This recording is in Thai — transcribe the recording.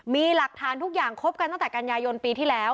มีหลักฐานทุกอย่างคบกันตั้งแต่กันยายนปีที่แล้ว